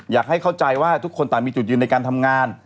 อยากให้เข้าใจว่าทุกคนต่างมีจุดยืนในการทำงาน